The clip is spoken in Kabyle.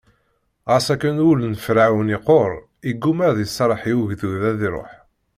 Ɣas akken, ul n Ferɛun iqqur, iggumma ad iserreḥ i ugdud ad iṛuḥ.